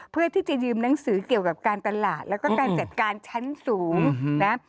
เพื่อที่จะยืมหนังสือเกี่ยวกับการตลาดแล้วก็การจัดการชั้นสูงนะ